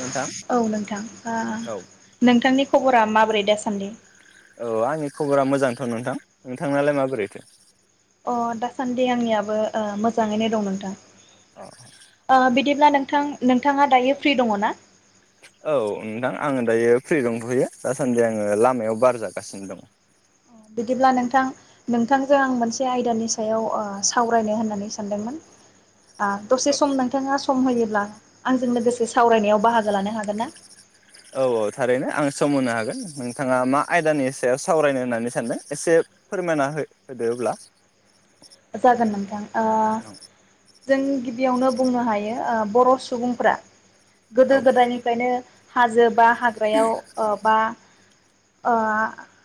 नोंथां औ नोंथां ओ औ नोंथांनि खबरा माबोरै? दासान्दि औ आंनि खबरा मोजांथ' नोंथां नोंथांनालाय माबोरैथो? अ दासान्दि आंनियाबो ओ मोजाङैनो ओ दं नोंथां। अ औ बिदि अब्ला नोंथां नोंथाङा दायो फ्रि दङना? औ नोंथां आङो दायो फ्रि दंथ'यो दासान्दि आङो लामायाव बार जागासिनो दङ। बिदिब्ला नोंथां नोंथांजों आं मोनसे आयदानि सायाव ओ सावरायनो होननानै सानदोंमोन। ओ औ दसे सम नोंथाङा सम होयो होयब्ला आंजों लोगोसे सावरायनायाव बाहागो लानो हागोनना? औ औ थारैनो आं सम होनो हागोन नोंथाङा मा आयदानि सायाव सावरायनो होननानै सानदों एसे फोरमायना हो होदो अब्ला। जागोन नोंथां ओ औ जों गिबियावनो बुंनो हायो ओ बर' सुबुंफ्रा गोदो औ गोदायनिफ्रायनो हाजोबा हाग्रायाव ओ बा ओ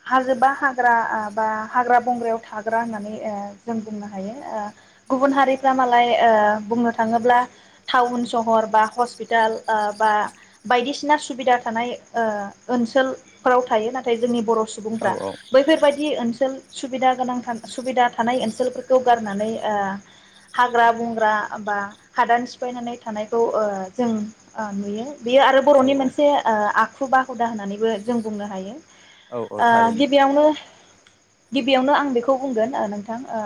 हाजोबा हाग्रा बा हाग्रा बंग्रायाव थाग्रा होननानै ओ जों बुंनो हायो ओ गुबुन हारिफ्रा मालाय ओ बुंनो थाङोब्ला टाउन सहर बा हस्पिटाल ओ बा ओ बायदिसिना सुबिदा थानाय ओ ओनसोलफ्राव थायो नाथाय जोंनि बर' औ सुबुंफ्रा औ बैफोरबायदि ओनसोल सुबिदा गोनां था सुबिदा थानाय ओनसो ओनसोलफोरखौ गारनानै ओ हाग्रा बंग्रा बा हादान सिफायनानै थानायखौ ओ जों ओ नुयो। बेयो आरो बर'नि औ मोनसे ओ आ हुुबा हुदा होननानैबो जों बुंनो हायो। औ औ ओ थारैनो गिबियावनो गिबियावनो आं बेखौ बुंगोन ओ नोंथां। ओ।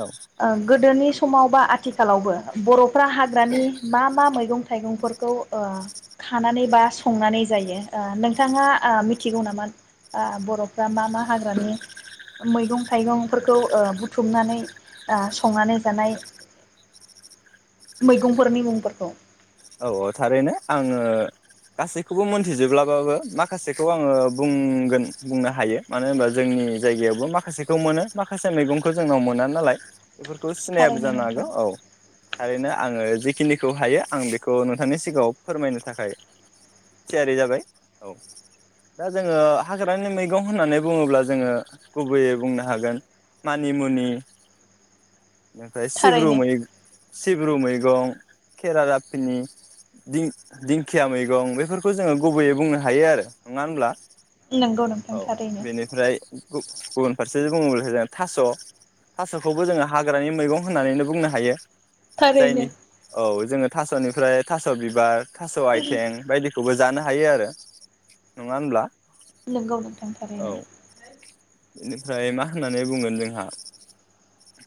औ ओ गोदोनि स समाव बा आथिखालावबो बर' फ्रा हाग्रानि मा मा मैगं थाइगंफोरखौ ओ खानानै बा संनानै जायो ओ नोंथाङा मिथिगौ नामा ओ बर'फ्रा मा मा हाग्रानि मैगं थाइगंफोरखौ ओ बु थुमनानै ओ संनानै जानाय मैगंफोरनि मुंफोरखौ औ औ थारैनो आङो गासैखौबो मोनथिजोब्लाबाबो माखासेखौ आङो बुंगोन बुंनो हायो मानो होनबा जोंनि जायगायावबो माखासेखौ मोनो माखासे मैगंखो जोंनाव मोना नालाय। बेफोरखौ सिनायाबो थारैनो जानो हागौ नोंथां औ थारैनो आङो जिखिनि खौ हायो आं बे खौ नोंथांनि सिगाङाव फोरमायनो थाखाय थियारि जाबाय औ दा जोङो हाग्रानि मैगं होननानै बुङोब्ला जोङो गुबैयै बुंनो हागोन मानिमुनि ओमफाय सिब्रु थारैनो मै सिब्रु मैगं खेरादा उम दि दिंखिया मैगं बेफोरखौ जोङो गुबैयै बुंनो हायो आरो नङा होनब्ला? नोंगौ नोंथां थारैनो गु गुबुन फारसेजों बुङोब्लाथाय जों थास थासखौबो जोङो हाग्रानि मैगं होननानैनो बुंनो हायो। थारैनो जायनि औ जोङो थास'निफ्राय थास' बिबार थास आइथें बायदिखौबो जानो थायो आरो नङा होनब्ला? नोंगौ नोंथां औ थारैनो बेनिफ्राय मा होननानै बुंगोन जोंहा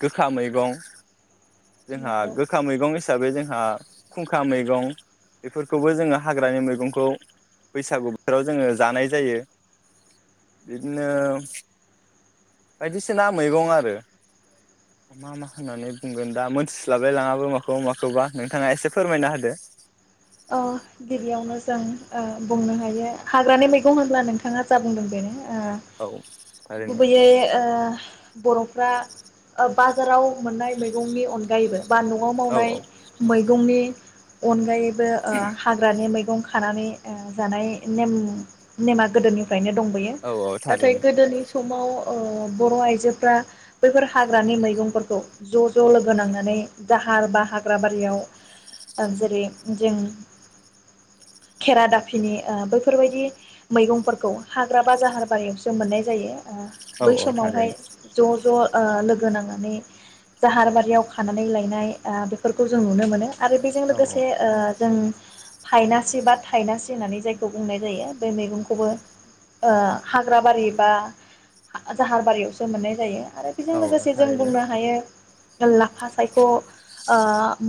गोखा मैगं जोंहा नंगौ गोखा मैगं ए साबै जोंहा खुंखा मैगं बेफोरखौबो जोङो हाग्रानि मैगंखौ बैसागु बोथोराव जोङो जानाय जायो बिदिनो बायदिसिना मैगं आरो मा मा होननानै बुंगोन दा मोनथिस्लाबाय लाङाबो माखौबा माखौबा नोंथाङा एसे फोरमायना होदो ओ गिबियावनो जों ओ बुंनो [unintelligible] हाग्रानि मैगं होनब्ला नोंथाङा जा बुंदों बेनो। ओ औ थारैनो गुबैयै ओ बरफ्रा ओ बाजाराव मोननाय मैगंनि अनगायैबो बा नआव औ मावनाय औ मैगंनि अनगायै बो ओ हाग्रानि मैगं खानानै ओ जानाय नेम नेमा गोदोनि नो दंबोयो औ औ नाथाय थारैनो गोदोनि स समाव ओ बर आइजोफ्रा बैफोर हाग्रानि मैगंफोरखौ ज ज लोगो नांनानै जाहार बा हाग्रा बारियाव ओ जेरै जों खेरा दाफिनि ओ बैफोरबायदि मैगंफोरखौ हाग्रा बा जाहार बारियावसो मोननाय जायो। ओ औ बै औ समावहाय थारैनो ज'ज' ओ लोगो नांनानै जाहार बारियाव खानानै लायनाय ओ बेफोरखौ जों नुनो मोनो आरो बेजों औ लोगोसे ओ जों थायनासि बा थायनासि होननानै जायखौ बुंनाय जायो बे मैगंखौबो ओ हाग्रा बारि बा जाहार बारियावसो मोननाय जायो। आरो बेजों औ औ लोगोसे जों थारैनो बुंनो हायो लाफा सायख' ओ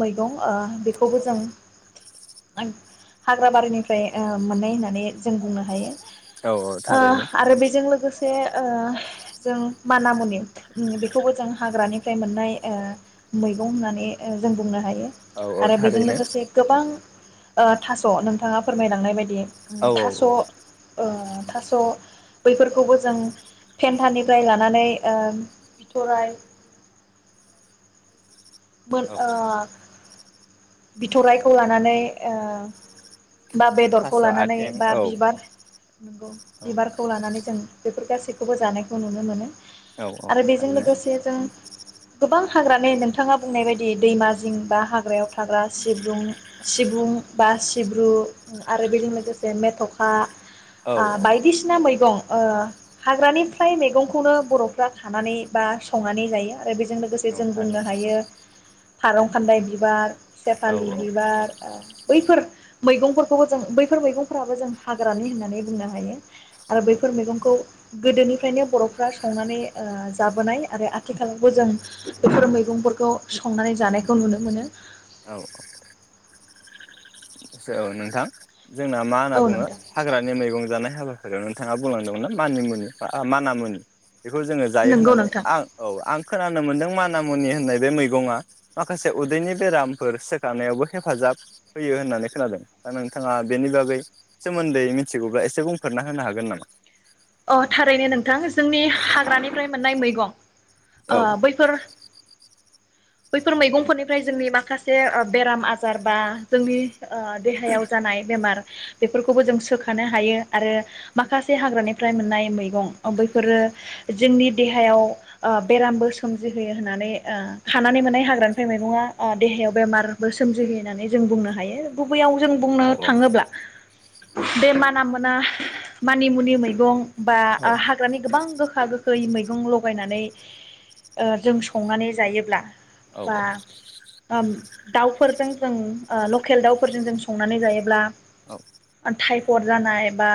मैगं ओ बेखौबो जों [unintelligible] हाग्रा बारिनिफ्राय ओ मोननाय होननानै जों बुंनो हायो औ औ ओ थारैनो आरो बेजों लोगोसे ओ जों माना मुनि उम बेखौबो जों हाग्रानिफ्राय मोननाय ओ मैगं होननानै ओ जों बुंनो हायो औ औ आरो बेजों थारैनो [unintelligible] ओ थास नोंथाङा फोरमायलांनाय बायदि उम औ औ थास' ओ औ थास' बैफोरखौबो जों फेन्थानिफ्राय लानानै ओ बिथराय। मोन औ ओ बिथराइखौ लानानै ओ बा बेदरखौ थास' लानानै आथिं बा औ बिबार नंगौ औ बिबारखौ लानानै जों बेफोर गासैखौबो जानायखौ नुनो मोनो। औ औ आरो बेजों थारैनो लोगोसे जों गोबां हाग्रानि नों थाङा बुंनाय बायदि दैमा जिं बा हाग्रायाव थाग्रा सिब्रुं, सिबुं, बा सिब्रु उम आरो बेजों लोगोसे मेथखा औ आ बायदिसिना मैगं ओ हाग्रानिफ्राय मैगंखौनो बर'फ्रा खानानै बा संनानै जायो। आरो बेजों लोगोसे औ जों बुंनो थारैनो हायो। फारं खान्दाय बिबार औ सेफालि बिबार ओ बैफोर मैगंफोरखौबो जों बैफोर मैगंफोराबो जों हाग्रानि होन्नानै बुंनो हायो। आरो औ बैफोर मैगंखौ गोदोनिफ्रायनो बर'फ्रा संनानै ओ जाबोनाय आरो आथिखालावबो जों बेफोर मै दुंफोरखौ संनानै जानायखौ नुनो मोनो। औ सो औ नोंथां। जोंना मा होना औ बुङो नोंथां हाग्रानि मैगं जानो हेलौ हेलौ नोंथाङा बुलांदोंमोनना मानि मुनि आ माना मुनि। बेखौ जोङो जायो नंगौ होननानै नोंथां आं औ आं खोनानो मोन्दों मान माना मुनि होननाय बे मैगंया माखासे उदैनि बेरामफोर सोखानायावबो हेफाजाब फैयो होननानै खोनादों दा नोंथाङा बेनि बागै सोमोन्दै मिथिगौब्ला एसे बुंफोरना होनो हागोन नामा? अ थारैनो नोंथां जोंनि हाग्रानिफ्राय मोननाय मैगं औ अ बैफोर बैफोर मैगंफोरनिफ्राय जोंनि माखासे आ बेराम आजार बा जोंनि ओ देहायाव जानाय बेमार बेफोरखौबो जों सोखानो हायो आरो माखासे हाग्रानि फ्राय मोननाय मैगं अ बैफोरो जोंनि देहायाव ओ बेरामबो सोमजिहोयो होननानै ओ खानानै मोननाय हाग्रानिफ्राय मैगङा आ देहायाव बेमारबो सोमजिहोयो होननानै जों बुंनो हायो। गुबैयाव जों बुंनो औ थाङोब्ला बे माना मोना मानि मुनि मै गं। बा औ हाग्रानि गोबां गो गोखा गोखै मैगं लगायनानै ओ जों संनानै जायोब्ला औ बा ओम दाउफोर - जों जों ओ लकेल दाउफोरजों जों संनानै जायोब्ला औ थाइ थर जानाय बा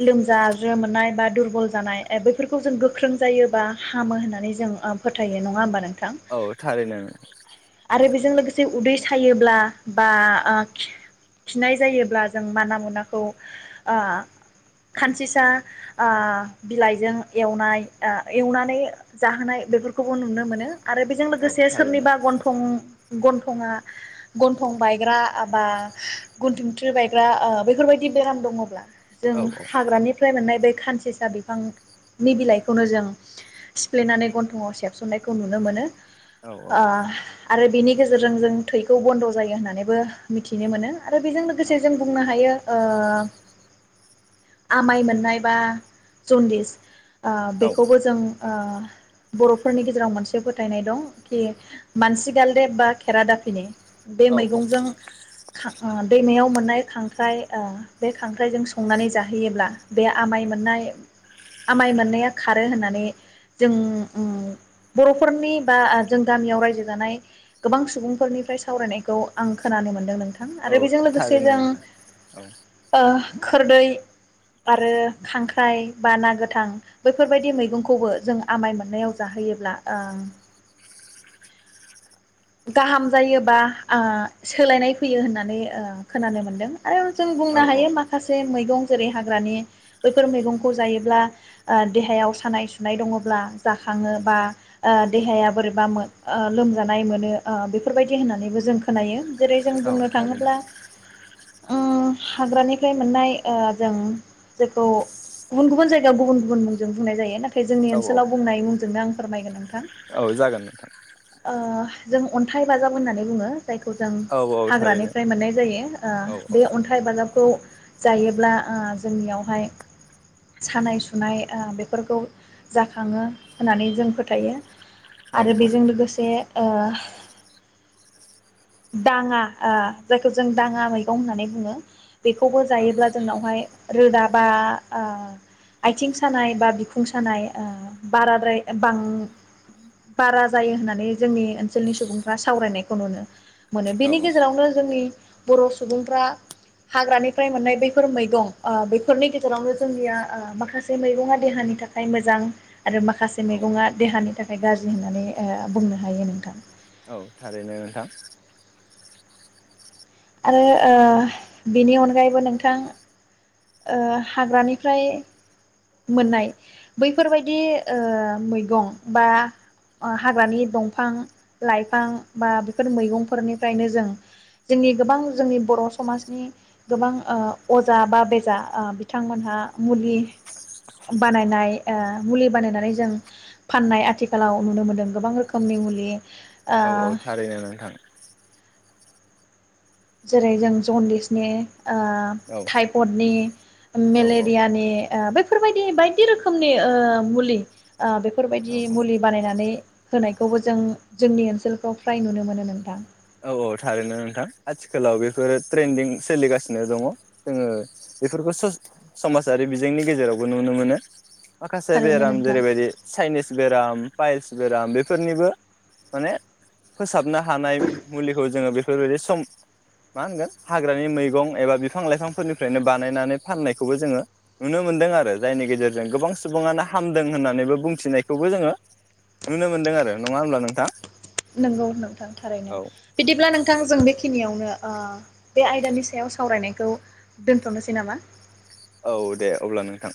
लोमजा ज्रो मोननाय बा दुरबल जानाय बैफोरखौ जों गोख्रों जायो बा हामो होननानै जों फोथायो । नङा होमबा नों थां औ औ थारैनो आरो बेजों लोगोसे उदै थायोब्ला बा ओ खि-खिनाय जायोब्ला जों माना मुनाखौ ओ खानसि सिसा बिलाइजों एवनाय एवनानै जाहोनाय बेफोरखौबो नुनो मोनो । आरो बेजों औ लोगोसे थारैनो सोरनिबा गन्थं गन्थंआ गन्थं बायग्रा एबा गन्थंथ्रि बायग्रा ओ बेफोरबायदि बेराम दङब्ला जों औ हाग्रानि मोननाय बे खानसेसा बिफांनि बिलाइखौनो जों सिफ्लेनानै गन्थंआव सेबसननायखौ नुनो मोनो । औ आ आरो बिनि गेजेरजों जों थैखौ बन्द जायो होननानैबो मिथिनो मोनो । आरो बेजों लोगोसे जों बुंनो हायो ओ आमाइ मोन नायबा जनदिस ओ औ बेखौबो जों ओ बर'फोरनि गेजेराव मोनसे फोथायनाय दं खि मानसिगालदेब बा खेरादाफिनि बे औ मैगंजों खा दैमायाव मोन नाय खांख्राइ ओ बे खां ख्राइजों संनानै जाहोयोब्ला बे आमाय मोननाय आमाय मोननाया खारो होननानै जों उम बर'फोरनि बा जों गामियाव रायजो जानाय गोबां सुबुंफोरनिफ्राय सावरायनायखौ आं खोनानो मोन्दों । थां आरो औ बेजों लोगोसे थारैनो जों नोंथां औ ओ खोरदै आरो खांख्राइ बा ना गोथां बैफोरबायदि मैगंखौबो जों आमाय मोननायाव जाहोयोब्ला ओ गाहाम जायोबा ओ सोलायनाय फैयो होननानै ओ खोनानो मोनदों । आरो जों बुंनो औ औ हायो माखासे मैगं जेरै हाग्रानि बैफोर मैगंखौ जायोब्ला ओ देहायाव सानाय सुनाय दङब्ला जाखङो बा देहाया बोरैबा ओ लोमजानाय मो नो ओ बेफोरबायदि होननानैबो जों खोनायो । जेरै जों औ बुंनो थारैनो थाङोब्ला उम हाग्रानिफ्राय मोननाय ओ जों जेखौ गुबुन गुबुन जायगायाव गुबुन गुबुन मुंजों बुंनाय जायो नाथाय जोंनि औ ओनसोलाव औ बुंनाय मुंजोंनो आं फोरमायगोन नोंथां औ जागोन नोंथां ओ जों अन्थाइ बाजाब होननानै बुङो। जायखौ जों औ औ थारैनो हाग्रानिफ्राय मोननाय जायो ओ औ बे अन्थाइ बाजाबखौ जायोब्ला ओ जोंनियावहाय सानाय सुनाय ओ बेफोरखौ जाखाङो होननानै जों फोथायो। औ आरो बेजों लोगोसे ओ दाङा ओ जायखौ जों दाङा मैगं होननानै बुङो। बेखौबो जायोब्ला जोंनावहाय रोदा बा ओ आथिं सानाय बा बिखुं सानाय ओ बाराद्राय बां बारा जायो होननानै जोंनि ओनसोलनि सुबुंफ्रा सावरायनायखौ नुनो मोनो औ बेनि गेजेरावनो जोंनि बर' सुबुंफ्रा हाग्रानिफ्राय मोननाय बैफोर मैगं ओ बेफोरनि गेजेरावनो जोंनिया ओ माखासे मैगङा देहानि थाखाय मोजां आरो माखासे औ मैगङा देहानि थाखाय गाज्रि होननानै ओ बुंनो हायो नोंथां औ थारैनो नोंथां आरो ओ बेनि अनगायैबो नोंथां ओ हाग्रानिफ्राय मोननाय बैफोरबायदि ओ मैगं बा हाग्रानि दंफां लाइफां बा बेफोर मैगंफोरनिफ्रायनो जों जोंनि गोबां जोंनि बर समाजनि गोबां ओ अजा बा बेजा ओ बिथांमोनहा मुलि बानायनाय ओ मुलि बानायनानै जों फाननाय आथिखालाव नुनो मोनदों गोबां रोखोमनि मुलि। औ औ ओ थारैनो नोंथां। जेरै जों जनदिसनि ओ औ थटाइफडनि औ मेलेरियानि ओ बेफोरबायदि बायदि रोखोमनि ओ मुलि ओ बेफोरबायदि औ मुलि बानायनानै होनायखौबो जों जोंनि ओनसोलफ्राव फ्राय नुनो मोनो नोंथां। औ औ थारैनो नोंथां आथिखालाव बेफोरो ट्रेन्दिं सोलिगासिनो दङ जोङो बेफोरखौ सम-समाजारि बिजोंनि गेजेरावबो नुनो मोनो। माखासे थारैनो बेराम नोंथां जेरैबायदि चाइनिस बेराम पाइलस बेराम बेफोरनिबो माने फोसाबनो हानाय मुलिखौ जोङो बेफोरबायदि सम मा होनगोन हाग्रानि मैगं एबा बिफां-लाइफांफोरनिफ्रायनो बानायनानै फाननायखौबो जोङो नुनो मोनदों आरो जायनि गेजेरजों गोबां सुबुङानो हामदों होननानैबो बुंथिनायखौबो जोङो नुनो मोनदों आरो नङा होमब्ला नोंथां? नोगौ नोंथां। थारनो औ बिदिब्ला नोंथां जों बे खिनियावनो ओ बे आयदानि सायाव सावरायनायखौ दोनथनोसै नामा? औ दे अब्ला नोंथां।